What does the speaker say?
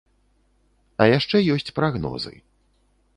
А яшчэ ёсць прагнозы.